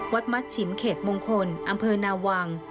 วัดมัดฉิมเขตมงคลอำเภอนาวัง